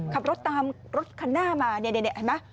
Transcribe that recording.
ขับรถตามมรถคันหน้ามาเนี่ยแดดได้ไหม